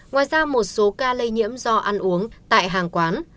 ngoài ra một số ca lây nhiễm do ăn uống tại hàng quán